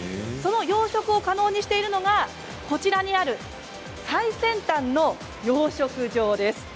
その養殖を可能にしているのが最先端の養殖場です。